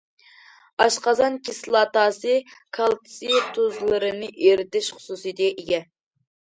ئاشقازان كىسلاتاسى كالتسىي تۇزلىرىنى ئېرىتىش خۇسۇسىيىتىگە ئىگە.